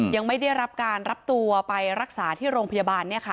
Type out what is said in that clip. ยังไม่ได้รับการรับตัวไปรักษาที่โรงพยาบาล